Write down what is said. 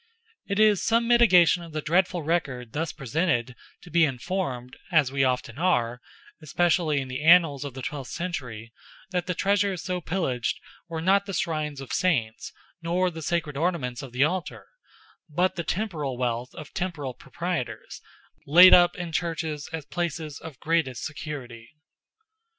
It is some mitigation of the dreadful record thus presented to be informed—as we often are—especially in the annals of the twelfth century, that the treasures so pillaged were not the shrines of saints nor the sacred ornaments of the altar, but the temporal wealth of temporal proprietors, laid up in churches as places of greatest security.